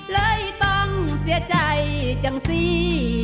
เลยต้องเสียใจจังสิ